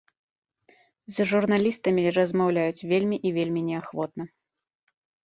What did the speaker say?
З журналістамі размаўляюць вельмі і вельмі неахвотна.